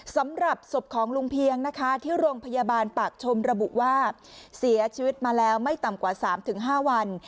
สำหรับศพของลุงเพียงนะคะที่โรงพยาบาลปากชมระบุว่าเสียชีวิตมาแล้วไม่ต่ำกว่า๓๕วัน